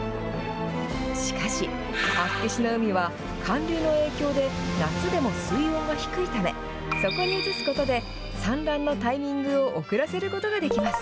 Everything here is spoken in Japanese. しかし、厚岸の海は寒流の影響で、夏でも水温が低いため、そこに移すことで、産卵のタイミングを遅らせることができます。